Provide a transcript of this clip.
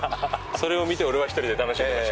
それを見て俺は１人で楽しんでました。